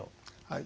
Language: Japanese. はい。